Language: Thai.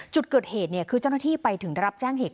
จุดเกิดเหตุคือเจ้าหน้าที่ไปถึงได้รับแจ้งเหตุ